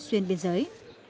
tuyên biên giới